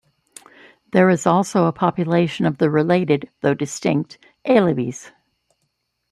There is also a population of the related, though distinct, Alevis.